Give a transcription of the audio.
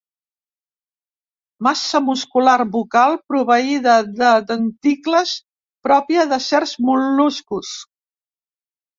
Massa muscular bucal proveïda de denticles pròpia de certs mol·luscos.